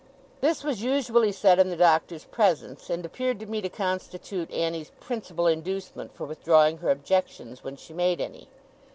This was usually said in the Doctor's presence, and appeared to me to constitute Annie's principal inducement for withdrawing her objections when she made any.